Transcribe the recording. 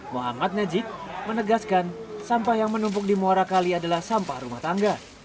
muhammad najik menegaskan sampah yang menumpuk di muara kali adalah sampah rumah tangga